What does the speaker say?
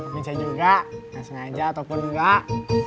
bisa juga nggak sengaja ataupun nggak